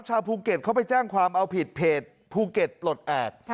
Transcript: ชาวภูเก็ตเขาไปแจ้งความเอาผิดเพจภูเก็ตปลดแอบ